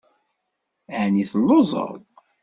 Ɛni telluẓeḍ?